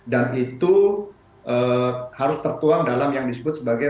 dan itu harus tertuang dalam yang disebut sebagai